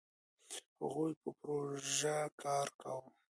هغوی په پروژه کار کاوه.